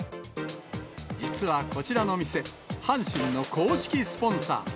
実はこちらの店、阪神の公式スポンサー。